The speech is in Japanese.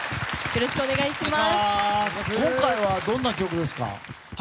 今回はどんな曲ですか？